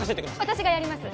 私がやります